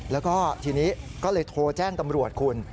แล้วก็ทีนี้ก็เลยโทรแจ้งตำรวจคุณ